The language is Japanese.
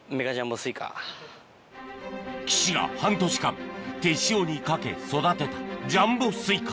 岸が半年間手塩にかけ育てたジャンボスイカ